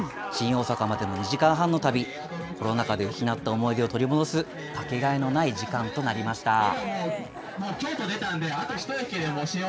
新大阪までの２時間半の旅、コロナ禍で失った思い出を取り戻す掛けがえのない時間となりました。